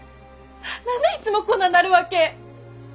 何でいっつもこんななるわけ？